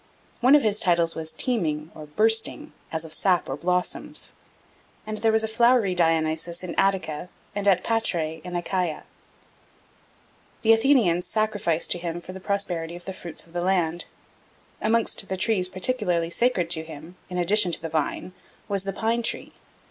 One of his titles was "teeming" or "bursting" (as of sap or blossoms); and there was a Flowery Dionysus in Attica and at Patrae in Achaia. The Athenians sacrificed to him for the prosperity of the fruits of the land. Amongst the trees particularly sacred to him, in addition to the vine, was the pine tree.